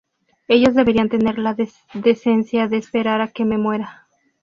Ellos deberían tener la decencia de esperar a que me muera.